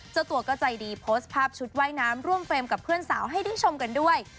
เจ้าตัวก็ใจดีโพสต์ภาพชุดว่ายน้ำร่วมเฟรมกับเพื่อนสาวให้ได้ชมกันด้วย